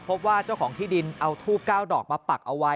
พบว่าเจ้าของที่ดินเอาทูบ๙ดอกมาปักเอาไว้